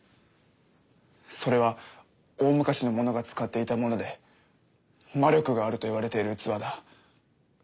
それは大昔の者が使っていたもので魔力があるといわれている器だ。